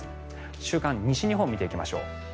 週間西日本を見ていきましょう。